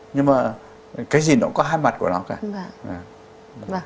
nhưng mà cái gì nó cũng có hai mặt của nó khác